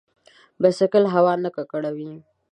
بایسکل هوا نه ککړوي.